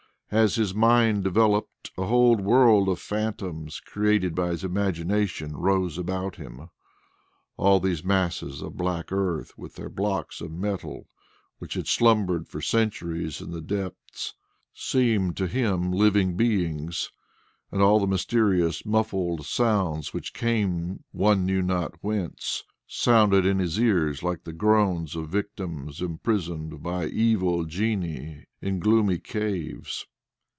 As his mind developed, a whole world of phantoms created by his imagination rose around him. All these masses of black earth with their blocks of metal, which had slumbered for centuries in the depths, seemed to him living beings, and all the mysterious muffled sounds which came one knew not whence, sounded in his ears like the groans of victims imprisoned by evil genii in gloomy caves.